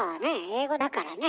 英語だからね